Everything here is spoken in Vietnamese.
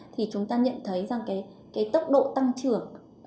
thì chúng ta nhận thấy rằng cái tốc độ tăng trưởng